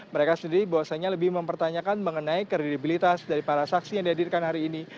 mereka sendiri bahwasanya lebih mempertanyakan mengenai kredibilitas dari para saksi yang dihadirkan hari ini